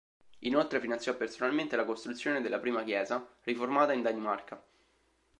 Inoltre finanziò personalmente la costruzione della prima chiesa riformata in Danimarca.